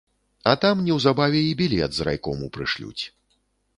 А там неўзабаве й білет з райкому прышлюць.